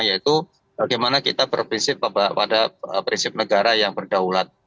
yaitu bagaimana kita berprinsip pada prinsip negara yang berdaulat